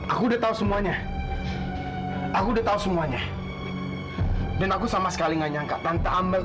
aku udah tahu semuanya aku udah tahu semuanya dan aku sama sekali nggak nyangka tanpa ambal